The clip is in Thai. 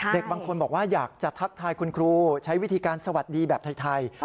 เด็กบางคนบอกว่าอยากจะทักทายคุณครูใช้วิธีการสวัสดีแบบไทย